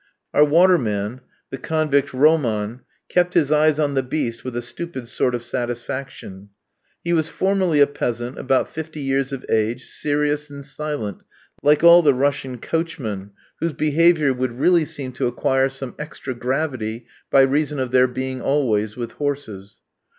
Our waterman, the convict Roman, kept his eyes on the beast with a stupid sort of satisfaction. He was formerly a peasant, about fifty years of age, serious and silent, like all the Russian coachmen, whose behaviour would really seem to acquire some extra gravity by reason of their being always with horses.